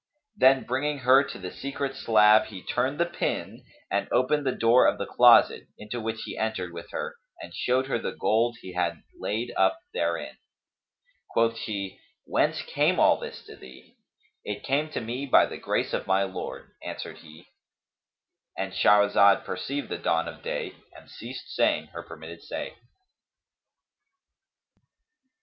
Then bringing her to the secret slab he turned the pin and opened the door of the closet, into which he entered with her and showed her the gold he had laid up therein. Quoth she, "Whence came all this to thee?" "It came to me by the grace of my Lord," answered he:—And Shahrazad perceived the dawn of day and ceased saying her permitted say.